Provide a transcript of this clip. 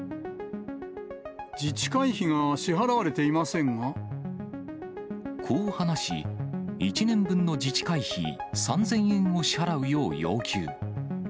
自治会費が支払われていませこう話し、１年分の自治会費３０００円を支払うよう要求。